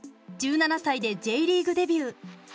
１７歳でＪリーグデビュー。